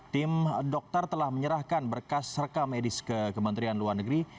tim dokter telah menyerahkan berkas reka medis ke kementerian luar negeri